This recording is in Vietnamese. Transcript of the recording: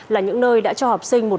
là những nơi đã cho học sinh trở lại